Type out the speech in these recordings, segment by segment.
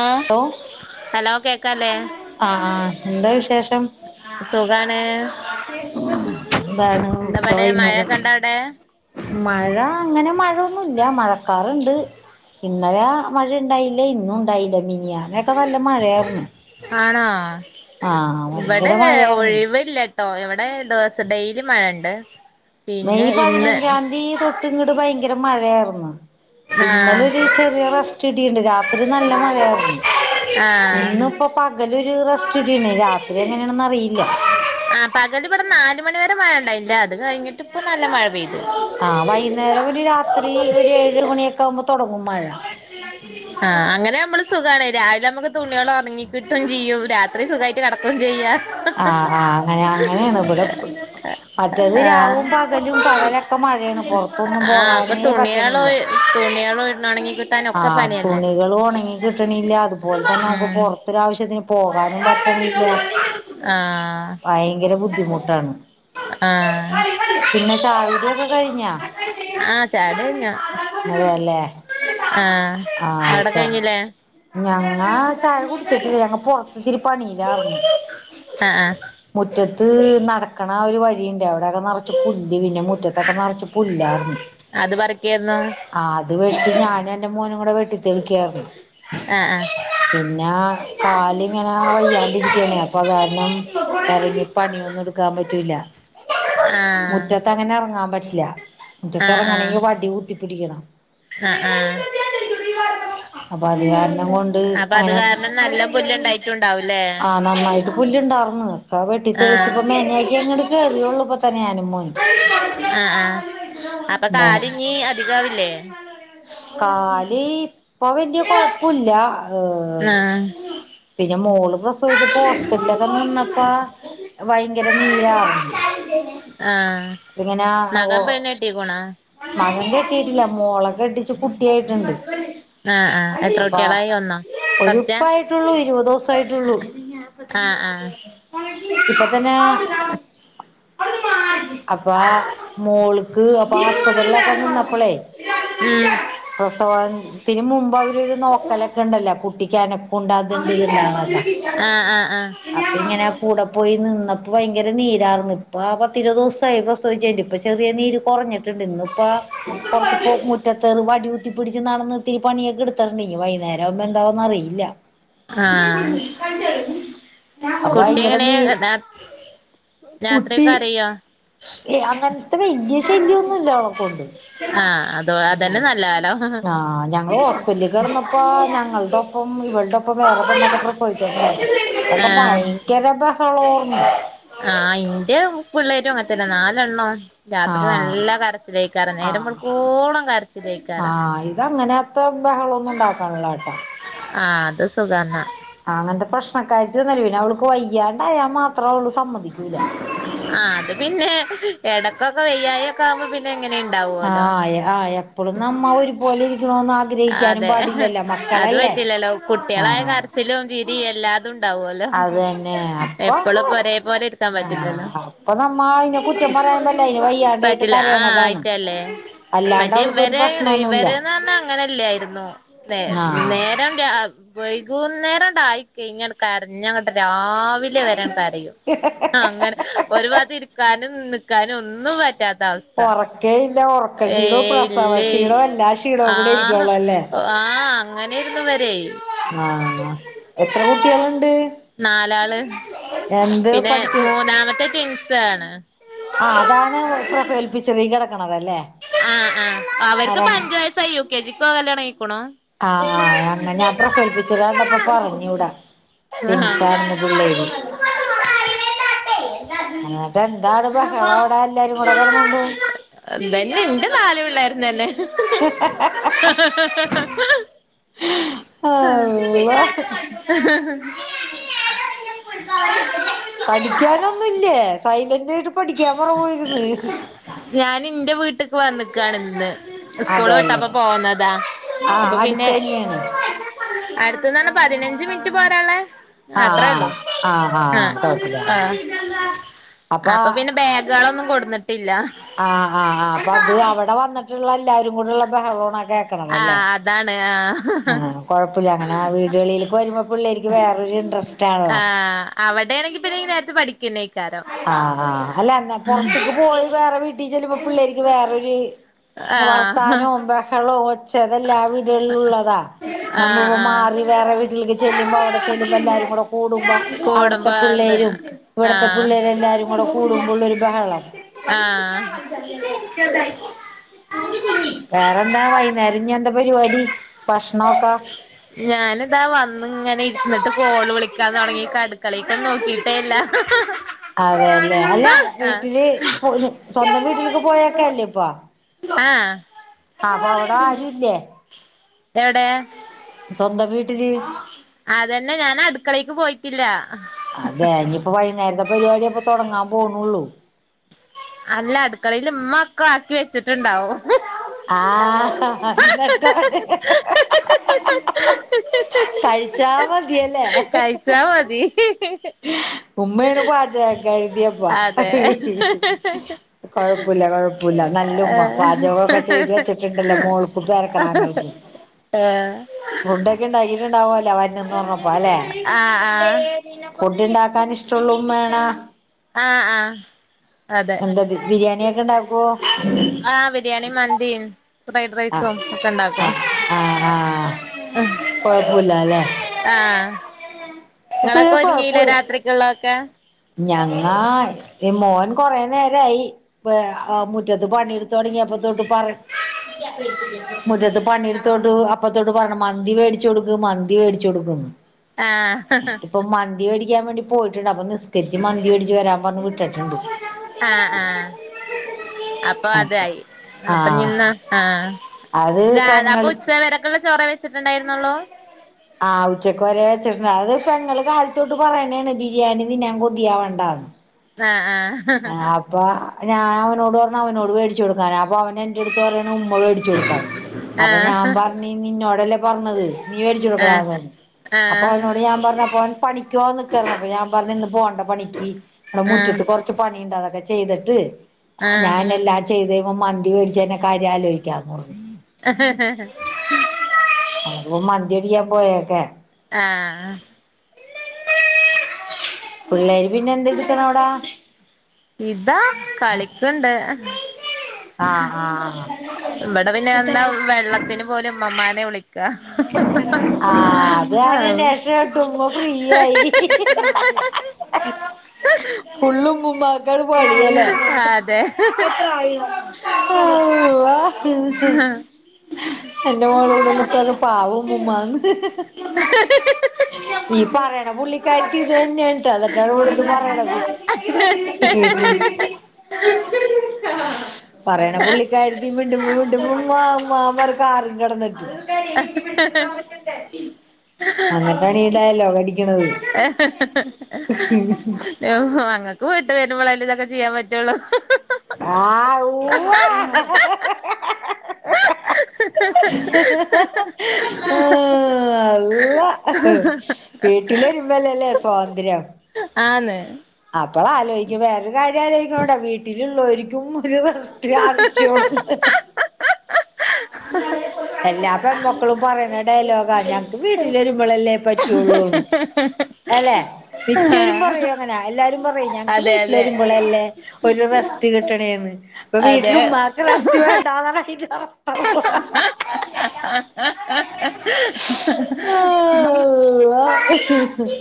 ആ ഹലോ കേ ക്കാലേ? ആ ആ എന്താ വിശേഷം? സുഖാണ് എന്താണ് ഇപ്പൊ എന്തപടെ വൈന്നേരം മഴക്കെണ്ട അവിടെ മഴ അങ്ങനെ മഴ ഒന്നൂല്ല, മഴ ക്കാറിണ്ട് ഇന്നലെ മഴയുണ്ടായില്ല ഇന്നുണ്ടായില്ല മി മിനിഞ്ഞാന്നൊക്കെ നല്ല മഴയാ ആണോ ഇവിടെ ഭയങ്കര വെ മഴയായിരുന്നു ഒഴിവില്ല ട്ടോ ഇവിടെ ദിവസ ഡെയിലി മഴയുണ്ട്. മെയ് പതിനഞ്ചാം തീയി തൊട്ട്ങ്ങട് ഭയങ്കര മഴയായിർന്ന് ഇന്നലെ ആഹ് ഒരു ചെറിയ റെസ്റ്റ് കിട്ടിയിട്ടുണ്ട് രാത് ത്തിരി നല്ല മഴയായിർന്നു. ആഹ് ഇന്നിപ്പം പകല് ഒ രി റെസ്റ്റ് കിട്ടീണ്ടിണ്ട്‌. ഇനി രാത്രി എങ്ങനെയാണെന്ന് അറിയില്ല ആഹ് പകല് ഇവിടെ നാല് മണിവരെ മഴ ഉണ്ടായില്ല അത് കഴിഞ്ഞിട്ട് ഇപ്പം നല്ല മഴ പെയ്ത് ആഹ വൈന്നേരം ഒരു രാത്രി ഒരു ഏഴ് മണിയൊക്കെ ആവുമ്പോ ആഹ അങ്ങനെ നമ്മള് സുഖാണ് രാവിലെ നമുക്ക് തുണികൾ ഒണങ്ങി കിട്ടുവും ചെയ്യും. രാത്രി സുഖവായിട്ട് കിടക്കേ ചെയ്യാം ആ ആ അങ്ങനെ അങ്ങനെയാണ് ഇവിടെ ഇപ്പ് മറ്റേത് ആഹ് രാവും പകലും പകലൊക്കെ മഴയാണ് പൊറത്തൊന്നും ആഹ് പോകാനേ പറ്റണില്ല ആണെങ്കി ആഹ തുണികള് ഒണങ്ങി കിട്ടണില്ല അതുപോലെ ഉം തന്നെ നമുക്ക് പൊറത്ത് ഒരാവശ്യത്തിന് പോകാനും പറ്റണില്ല ആഹ് ഭയിങ്കര ബുന്ധിമുട്ടാണ് ആ പിന്നെ ചായകുടിയൊക്കെ കഴിഞ്ഞാ. ആഹ് ചായുടി കഴിഞ്ഞു അതെ അല്ലേ ആഹ് ആ അവിടെ ചായ. കഴിഞ്ഞില്ലേ ഞങ്ങ ചായ കുടിച്ചിട്ടില്ല ഞങ്ങക്ക് പൊറത്ത് ഇത്തിരി പണിയിലാർന്നു ആഹ് ആഹ് മുറ്റത്ത്‌ നടക്കണ ഒരു വഴിയുണ്ടേ അവ അകം നറച്ച് പുല്ല് പിന്നെ മുറ്റ തൊക്കെ നറച്ച് പുല്ലാർന്നു അത് പറിക്കായിരുന്നു ആ അത് വെട്ടി ഞാനും എന്റെ മോനും കൂടെ വെട്ടി തെളിക്കായാർന്നു ആഹ് പിന്നാ കാലിങ്ങനെ വയ്യാ ഇരിക്കയാണേ അപ്പം അത് കാരണം എറങ്ങി പണിയൊന്നും എടുക്കാൻ പറ്റൂല ആഹ് ആഹ് മുറ്റത്തങ്ങനെ എറങ്ങാം പറ്റില്ലാ മുറ്റത്തിറങ്ങണെങ്കി വടി കുത്തി പിടിക്കണം ആ ആ അപ്പൊ അത് കാരണം കൊണ്ട് അപ്പം അത് അങ്ങനെ കാരണം നല്ല പുല്ലുണ്ടായിട്ടുണ്ടാവും ല്ലേ ആ നന്നായിട്ട് പുല്ലുണ്ടാർന്ന് ഒക്കെ വെട്ടി ആ തെളിച്ചപ്പോ മെനയാക്കി അങ്ങട് കേറിയുള്ളൂ ഇപ്പൊ തന്നെ ഞാനും മോനും അ അ മോ കാലി ഇനി അധികവില്ലേ കാല് ഇപ്പോ വല്ല്യ കുഴപ്പുല്ല ഹ് ആഹ് [unintelligible] പിന്നെ മോളും പ്രസവിച്ചപ്പോ ഹോസ്പിറ്റലിൽലൊക്കെ നിന്നപ്പ ഭയങ്കര നീരാ ആഹ് അപ്പം ഇങ്ങനെ ഓ മകൻ പെണ്ണെട്ടീക്ക്ണോ മകൻ കെട്ടിട്ടില്ല മോള കെട്ടിച്ച് കുട്ടിയായിട്ടുണ്ട് ആഹ് ആഹ് എത്ര അപ്പ കുട്ട്യാളായി ഒന്നോ ഫസ്റ്റാ ഒരുപ്പായിട്ടുള്ളു ഇരുപത് ദിവസയിട്ടുള്ളൂ ആഹ് ആഹ് ഇപ്പ തന്നെ അപ്പ മോൾക്ക് അപ്പൊ ഉം ആസ്പത്രിയിലൊക്കെ നിന്നപ്പോളേ പ്രസവ ത്തിന് മുമ്പ് അ വര് നോക്കലൊക്ക ഉണ്ടല്ലോ കുട്ടി [unintelligible] ആ ആ അപ്പൊ ഇങ്ങനെ കൂടെ പോയി നിന്ന പ്പോ ഭയങ്കര നീരായിരുന്നു ഇപ്പൊ പത്തിരുപത് ദിവസമായി പ്രസവിച്ചണ്ട് ഇപ്പൊ ചെറിയ നീര് കുറഞ്ഞി ട്ടുണ്ട് ഇന്നിപ്പോ കൊറച്ച് മുറ്റത്തൊരു വടി കു ത്തിപ്പിടിച്ച് നടന്ന് ഒത്തിരി പണിയൊക്കെ എടുത്തിട്ടുണ്ട് ഇനി വൈകുന്നരം ആവുമ്പ എന്താകൂന്ന് അറിയില്ല ആ അപ്പ ഭയങ്കര നീ രാത്രി കുട്ടി കരയോ അങ്ങനത്തെ വല്യ ശല്യം ഒന്നുമില്ല അവളെ കൊണ്ട് ആഹ് അതോ അതന്നെ നല്ലകാലം ആഹ് ആ ഞങ്ങള് ഹോസ്പിറ്റലിൽ കിടന്നപ്പ ഞങ്ങളുടെ ഒപ്പം ഇവളുടെ വേറെ പെണ്ണൊക്കെ പ്രസവിച്ചിട്ടുണ്ടായി ഇപ്പോക്കെ ഭയങ്കര പാ കളോർന്ന് ആ ഇന്റെ പിള്ളേര് അങ്ങനെ തന്നെയാ നാലെണ്ണം രാത്രി ആഹ് നല്ല കരച്ചില് [unintelligible] നേരം ആഹ് വെളുക്കോളം കരച്ചിൽ [unintelligible] ഇപ്പം ബഹളം ഒന്നും ഉണ്ടാക്കാണില്ലാട്ടാ ആ അത് സുഖം തന്നെ ആ അങ്ങനത്തെ പ്രശ്നക്കാരത്തി ഒന്നുമല്ല പിന്നെ അവൾക്ക് വയ്യാണ്ടായ മാ ആ അത് പിന്നെ എട ക്കെക്കെ വയ്യായിയൊക്കെ ആവുമ്പൊ പിന്നെ ഇങ്ങനെ ആ ഇണ്ടാവോല്ലോ യാ യാ എപ്പോളും നമ്മ ഒരുപോലെ ഇരിക്കണോന്ന് ആഗ്രഹിക്കാനും അതെ പാടില്ലല്ലോ അത് മക്കളല്ലേ ആ ചിരിയെല്ലാ അത് തന്നെ അപ്പൊ എപ്പളും ഇപ്പോ ഒരേ പോലെ ഇരിക്കാൻ ആ പറ്റില്ലല്ലോ അപ്പൊ നമ്മ അയിനെ കുറ്റം പറയാൻ പാടില്ല അതിന് വയ്യാണ്ടായിട്ട് പറ്റില്ല കരയണതാണ്. അല്ലാണ്ട് ഇപ്പം അവൾക്കൊരു ഇവര് പ്രശ്നൊന്നുല്ല ഇവെരെന്ന് പറഞ്ഞാൽ അങ്ങനല്ലായിരുന്നോ നേ ആഹ് നേരം രാ വൈകുന്നേരണ്ടായി കഴിഞ്ഞാൽ കരഞ്ഞങ്ങട്ട്‌ രാ രാവിലെ വരെയും കരയും. അങ്ങനെ ഒരു ഭാഗത്ത്‌ ഇരിക്കാനും നി ക്കാനും ഒന്നും പറ്റാത്ത അവസ്ഥ യില്ല ഉറക്കക്ഷീണവും ഏയ് പ്രസവ ഇല്ലേയ് ക്ഷീണവും എല്ലാ ക്ഷീണവും കൂടി ഇരിക്കുള്ള അല്ലേ അങ്ങനെ ഇരുന്നു വരെ ആ എത്ര കുട്ടികളുണ്ട്? [inaudible] [inaudible] എന്ത് പിന്നെ പഠിക്ക മൂന്നാമത്തെ ട്വിൻസ് [unintelligible] ആ അതാണ് പ്രഫൈൽപിച്ചറി കെട ആ ആ ര അവർക്കിപ്പം അഞ്ച് വയസ്സായി യു കെ ജീ ക്ക് പോവല് അയിക്കുണു ആ ഞങ്ങ ഞാൻ പ്രഫൈൽപ്പിച്ചറു കണ്ടപ്പൊ പറഞ്ഞു ഇവ്ടെ ട്വിൻസാണെന്ന് പിള്ളേര് എന്നിട്ട് എന്താണ് ബഹളവടെ എല്ലാരും കൂടെ കെടന്നോണ്ട്. എന്താന്നെ ന്റെ നാല് പിള്ളേരെന്നെ അള്ളാ പഠിക്കാനൊന്നുല്ലേ സൈലന്റിടും പഠിക്കാ അപ്പറേ പോയിരുന്ന് ക്ക് വന്നക്കാണ് ഇന്ന് ഉസ്കൂള് അതെല്ലേ വിട്ടപ്പോ പോന്നതാ ആ അപ്പൊ പിന്നെ അടുത്തന്നെയാണ് അടുത്ത്‌ന്ന് റ്ഞ്ഞാ പതിനഞ്ച് മിനിറ്റ് പോരാനോള്ളേ ആ അത്രേ ഒള്ളൂ ആ ആ ആ കുഴപ്പില്ല ആ ആ അപ്പൊ പിന്നെ ബാഗ് കളൊന്നും കൊണ്ടുന്നിട്ട് ആ ആ ആ അപ്പൊ അത് അവ്ടെ വന്ന്ട്ടള്ളര് ല്ലാരും കൂട്ള്ള ബഹളമാണ് [unintelligible] ആ കേക്ക്ണതല്ലെ അതാണ് ആ കൊഴപ്പില്ല അങ്ങനാ വീട്കളിലേക്ക് വര്മ്പ പിള്ളേർക്ക് വേറൊരു ഇൻട്രസ്റ്റാണല്ലോ അവടേണെങ്കി പിന്നെ ഈ നേരത്ത് പഠിക്കന്നേ ആ ആ അല്ലാന്നെ പൊർത്ത്ക്ക് പോയി വേറെ വീട്ടി ചെല്ലുമ്പ പിള്ളേരിക്ക് വേറൊരു ആ വർത്താനും ബഹളും ഒ ചെ അതെല്ലാ വീട്കൾലുള്ളതാ ആ നമ്മപ്പോ ആ മാറി വേറെ വീട്ട്ലേക്ക് ചെല്ലുമ്പ അവിടെ ചെല്ലുമ്പ എല്ലാരും കൂടെ കൂട്മ്പ അവടത്തെ കോടുംബാന്തന പിള്ളേരും ഇവ്ടത്തെ ആഹ് പുള്ളേരെല്ലാരും കൂടെ കൂടുമ്പാെള്ളൊരു ബഹളം ആഹ് വേറെന്താ വൈന്നേരം ഞ്ഞെ ന്താ പരിവാടി ഭക്ഷ്ണൊക്കെ ഞാനിതാ വന്ന്ങ്ങനെ ഇര്ന്ന്ട്ട് കോള് വിളിക്കാൻ താെടങ്ങിയ്ക്കാ അട്ക്കളീക്കാെന്നും നോക്കീട്ടേല്ലാ ഹ് ഹ് അതേല്ലേ അല്ല വീട്ട്ല് സ്വന്തം വീട്ട്ല്ക്ക് പോയേക്കല്ലെ ഇപ്പൊ ആ ആ അപ്പൊ അവടെ ആരുല്ലേ എവിടെ സ്വന്തം വീ അതന്നെ ഞാൻ അടുക്കളേയ്ക്ക് പോയിട്ടില്ല അതെ ഇനിയിപ്പോ വൈകുന്നേരത്തെ പരിപാടി അപ്പൊ തൊടങ്ങാൻ പോണു ഉള്ളൂ അല്ല അടുക്കളയില് ഉമ്മ ഒക്കെ ആക്കി വെച്ചിട്ടുണ്ടാവും ആഹ് എന്നിട്ടാണ് കഴിച്ചാ മതിയല്ലേ കഴിച്ചാ മതി ഉമ്മയാണ് പാചകക്കാരിയപ്പോ അതെ കൊഴപ്പുല്ല കൊഴപ്പുല്ല നല്ലുമ്മ പാചകൊക്കെ ചെയ്ത് വെച്ചിട്ടുണ്ടല്ലോ മോൾക്കും പേരക്കിടാങ്ങൾക്കും ആഹ് ഫുഡൊക്കെ ഉണ്ടാക്കിട്ടുണ്ടാവല്ലോ വര്ണ്ന്ന് പറഞ്ഞപ്പോ അല്ലെ ആഹ് ആഹ് ഫുഡ് ഉണ്ടാക്കാൻ ഇഷ്ടുള്ള ഉമ്മയാണൊ ആഹ് ആഹ് അതെ എന്താ ബിരിയാണിയൊക്കെ ഉണ്ടാക്കുവോ ആഹ് ബിരിയാണിയും മന്തിയും ഫ്രൈഡ് ആഹ് റൈസും ഒക്കെ ആ ഉണ്ടാക്കും ആ ആ കൊഴപ്പുല്ലാലെ ഇങ്ങളൊക്കെ ഒരുങ്ങീല്ലേ രാത്രിക്കുള്ളതൊക്കെ ഞങ്ങായ് ഇ മോൻ കൊറേ നേരമായി മുറ്റത്ത് പണിയെടുത്തു തുടങ്ങിയപ്പതൊട്ട് പറി മുറ്റത്ത് പണിയെടുത്തോണ്ട് അപ്പത്തൊട്ട് പറയ്ണ് മന്തി മേടിച്ചു കൊടുക്ക് മന്തി മേടിച്ചു കൊടുക്ക്ന്ന് ആഹ് ന്തി മേടിക്കാൻ വേണ്ടി പോയിട്ടുണ്ട് അപ്പ നിസ് കരിച്ച് മന്തിവേടിച്ചു വരാൻ പറഞ്ഞ് വിട്ടിട്ടുണ്ട് ആ ആ അപ്പോ അപ്പൊ അതായി അപ്പോ ഞ്ഞി ആഹ് ഇന്നാ ആ. അത് [unintelligible] അപ്പൊ ഉച്ച പെങ്ങൾക്ക് വരക്ക് ള്ള ചോ റെ വെച്ചിട്ടുണ്ടായിരുന്നുള്ളൂ ആ ഉച്ചക്ക് വരെ വെച്ചിട്ടുണ്ട് അത് പെങ്ങള് കാലത്തോട്ട് പറയണേണ് ബിരിയാണി തിന്നാൻ കൊതിയാവണ്ടാ ന്ന് ആ ആ ആപ്പോ അത് ഞാൻ അവനോടു പറഞ്ഞു അവനോട് മേടിച്ചു കൊടുക്കാൻ അപ്പോ അവൻ എൻ്റടുത്തു പറയാണു ഉമ്മ വേടിച്ചു കൊടുക്കാൻ അപ്പോ ഞാൻ പറഞ്ഞു നിന്നോടല്ലേ പറഞ്ഞത് നീ വേടിച്ചു ആഹ് കൊടുക്കടാന്ന് പറഞ്ഞു ആഹ് അപ്പ ആഹ് അവനോട് ഞാൻ പറഞ്ഞു അപ്പ അവൻ പണിക്ക് പോകാൻ നിക്കയാർന്ന് അപ്പോ ഞാൻ പറഞ്ഞു ഇന്നിപ്പോ പോണ്ട പണിക്ക് ഇവിടെ മുറ്റത്ത് കൊർ ണ്ട് അതൊക്കെ ചെയ്തിട്ട് ആ ആഹ് ആഹ് ഞാനല്ല ചെയ്തേ അവൻ മന്തി മേടിച്ചു തര് ന കാര്യം ആലോചിക്കാന്ന് പറഞ്ഞു അവൻ പ്പോ മന്തിമേടിക്കാൻ പേയേക്കേ ആ ആ പിള്ളേര് പിന്നെ എന്തെടുക്കണവിടാ? ഇതാ കളിക്ക്ണ്ട് ആ ആഹ് ഹാ ഇവിടെ പിന്നെ എന്താ വെള്ളത്തിനു പോലും ഇമ്മാമ്മാനെയാ വിളിക്യാ ആ അത് കാരണം രക്ഷപെട്ടു ഉമ്മ ഫ്രീയായി ഫുള്ളും ഉമ്മുമ്മാക്കാണ് പണിയല്ലേ? അതെ അള്ളാ എൻ്റെ മോളോട് [unintelligible] പാവം ഉമ്മൂമ്മാന്ന് ഈ പറയണ പുള്ളിക്കാരത്തീം ഇതു തന്നെയാണ് ട്ടോ [unintelligible] ഇവിടിരുന്ന് പറയണത് പറയണ പുള്ളിക്കാരത്തി മിണ്ടുമ്പോ വിണ്ടുമ്പോ ഉമ്മാ ഉമ്മാന്നും പറഞ്ഞ് കാറും കെടന്നിട്ട് അന്നിട്ടാണീ ഡയലോഗ് അടിക്കണത് മ്പളല്ലേ ഇതൊക്കെ ചെയ്യാൻ പറ്റുവോളൂ ആ ഊവ്വാ ആഹ് അള്ളാ വീട്ടില് വെരുമ്പ അല്ലേ ല്ലേ സ്വാതന്ത്ര്യം ആന്ന് അപ്പോ ആലോയിക്കും വേറെ കാര്യ ആലോയിക്കണോടാ വീട്ടി ലുള്ളോര് ഉം ഒരു അത്യാവശ്യം എല്ലാ പെമക്കളും പറയണ ഡയലോഗാ ഞങ്ങക്ക് വീട്ടില് വരുമ്പളല്ലേ പറ്റുള്ളൂന്ന് അല്ലെ മിക്കവരും പറയും അങ്ങനെ എല്ലാരും പറയും ഞങ്ങക്ക് അതെ വീട്ടില് അതെ വരുമ്പളല്ലേ ഒരു റെസ്റ്റ് കിട്ടണേന്ന്. അപ്പൊ വീട്ടില് അതെ ഉമ്മാക്ക് റെസ്റ്റ് വേണ്ടാന്നാണ് അതിൻറെ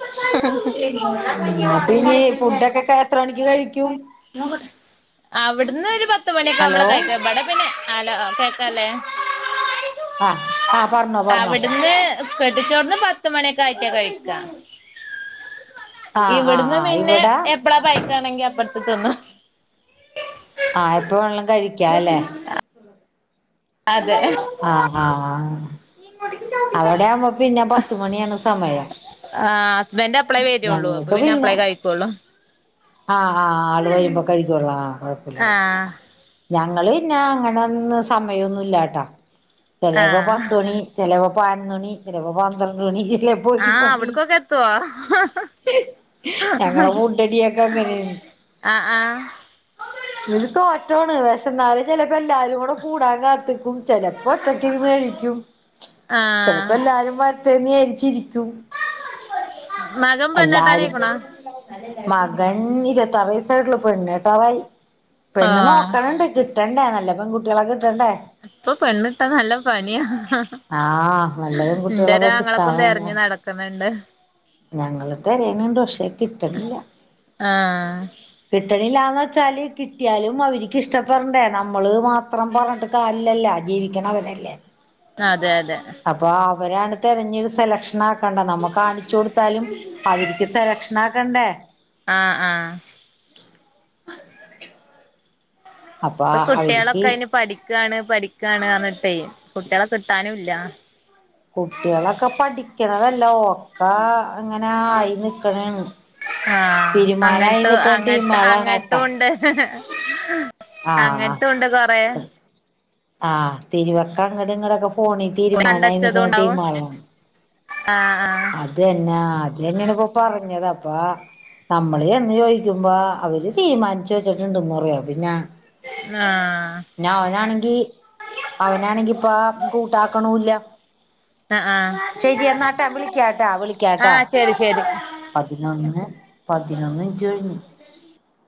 [unintelligible] ടൈം ഫുഡൊക്കെക്കെ എത്ര മണിക്ക് കഴിക്കു [unintelligible] നോക്കട്ടെ, അവിടുന്ന് ഒരു പത്തുമണിയൊക്കെ ഹലോ ആവുമ്പഴാ കഴിക്കാ ഇവിടെ പിന്നെ ഹലോ കേക്കാല്ലേ അ ആ പർഞ്ഞോ പർഞ്ഞോ കെട്ടിച്ചോട്ന്ന് പത്തുമണിക്കെ ആയിട്ടാ കഴിക്കാ ആഹ് ആഹ് ഇവിട്ന്ന് ആഹ് പിന്നെ ഇവിടെ എപ്പളാ പഴിക്കണങ്കി അപ്പ [unintelligible] ആ എപ്പം വേണേലും കഴിക്കാ അല്ലെ അതെ അ ആ അവിടെകുമ്പോ പിന്നെ പത്തുമണിയാണ് സമയം ആ ഹസ്ബൻഡ് അപ്പളേ വരുള്ളൂ അപ്പൊ ഞങ്ങക്ക് പിന്നെ അപ്പളേ കഴിക്കുള്ളൂ ആ ആള് വരുമ്പം കഴിക്കോളാ കോഴപ്പില്ല ആ കോഴപ്പില്ല ഞങ്ങള് പിന്നെ അങ്ങനന്ന് സമയോന്നും ഇല്ലാട്ട ആ ചെലെപ്പോ പത്ത് മണി ചെലെ പയ്ൻന്നു മണി ചെലെപ്പോ പന്ത്രണ്ട് മണി ചെലേപ്പോ ആ ഒരു മണി അവിട്ക്കൊക്കെ എത്തോ ഞങ്ങളെ ഫുഡടിയൊക്കെ അങ്ങനെയാണ് ആ ആ [unintelligible] ഇപ്പെല്ലാരും കൂടെ കൂടാൻ കാത്തിക്കും ചെലപ്പോ ഒറ്റക്കിരുന്ന് കഴിക്കും ആ ചെലപ്പോ എല്ലാരും വരട്ടെന്ന് വിജാരി ചിരി മകൻ പെണ്ണ് എല്ലാരും കെട്ടാനായിക്കണാ മകൻ ഇരുപത്താറു വയസ്സായിട്ടുള്ളു പെണ്ണ് കെട്ടാറായി ആ പെണ്ണ് നോക്കണുണ്ട് കി രണ്ടാണല്ലേ പെൺകുട്ടികളെ കെട്ടി ക്കണ്ടേ ഇപ്പൊ പെണ്ണിട്ടാ നല്ല പണിയാ ആഹ് വല്ലതും കുട്ടികളൊയൊക്കെ ഇന്റൊരാങ്ങളക്കും കിട്ടാനില്ല തെരഞ്ഞു നടക്കുന്നുണ്ട് ഞങ്ങള് തെരയണുണ്ട് പക്ഷേ കിട്ടണില്ല ആഹ് കിട്ടണില്ലാന്ന് ച്ചാൽ കിട്ടിയാലും അവരിക്ക് ഇഷ്ടപ്പെടണ്ടേ നമ്മള് മാത്രം പറഞ്ഞട്ട് കാര്യല്ലല്ലോ ജീവിക്കണവരല്ലേ അതെ അതെ അപ്പൊ അവരാണ് തെരഞ്ഞിത് സെലക്ഷനാ ത് കണ്ട നമ്മ കാണിച്ചു കൊടുത്താലും അവർക്ക് സെലക്ഷനാക്കണ്ടേ ആഹ് ആഹ് ആ ഇപ്പൊ അവര്ക്ക് കുട്ടികളൊക്കെ അയിന് പഠി ക്കാണ് പഠിക്കാണ് പറഞ്ഞി ട്ടേ കുട്ടികളെ കിട്ടാനും ഇ ല്ലാ കുട്ടികളൊക്കെ പഠിക്കണതല്ലാ, ഒക്കെ ഇങ്ങനെ ആയി നിക്കണേയാണ് ആഹ് തീരുമാനായി അങ്ങനത്തെ നിക്കണ അങ്ങനത്തെ ടീമുകളാണ് ഒക്കെ അങ്ങനത്തുണ്ട് കൊറെ ആ തിരുവെക്കാൻ ഇങ്ങട് ഇങ്ങടൊക്കെ പോണി തീരുമാനായി കണ്ടച്ചതും നിക്കണ ഉണ്ടാവും ടീമാണ് ആഹ് ആഹ് അത്ന്നാ അത് തന്നെ ഇപ്പോ പറഞ്ഞത് അപ്പ നമ്മള് ചെന്ന് ചോദിക്കുമ്പോ അവര് തീരുമാനിച്ചു വെച്ചിട്ടുണ്ടെന്ന് പറയും അപ്പൊ പിന്നെ ആഹ് പിന്നെ അവനാണെങ്കി അവനാണെങ്കി ഇപ്പ കൂട്ടാക്കണുല്ല ആഹ് ആഹ് ശെരി എന്നാട്ടാ വിള വിളിക്കാട്ടാ വിളിക്കാട്ടാ ആഹ് ശരി ശരി പതിനൊന്ന് പതിനൊന്ന് മിൻറ്റ് കഴിഞ്ഞ്